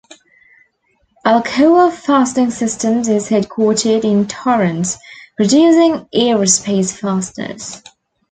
Alcoa Fastening Systems is headquartered in Torrance, producing aerospace fasteners.